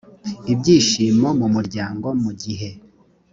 ibyishimo mu muryango mu gihe